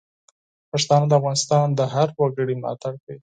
پښتانه د افغانستان د هر وګړي ملاتړ کوي.